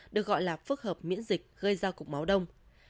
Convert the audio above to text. được gọi là phức hợp miễn dịch gây ra cục máu đông